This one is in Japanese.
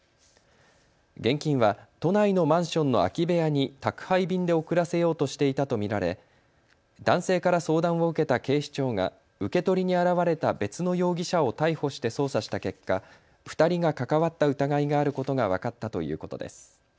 現金は都内のマンションの空き部屋に宅配便で送らせようとしていたと見られ男性から相談を受けた警視庁が受け取りに現れた別の容疑者を逮捕して捜査した結果、２人が関わった疑いがあることが分かったということです。